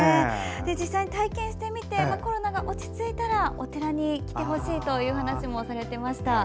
実際に体験してみてコロナが落ち着いたらお寺に来てほしいという話もされていました。